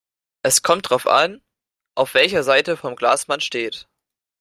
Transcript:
Es kommt darauf an, auf welcher Seite vom Glas man steht.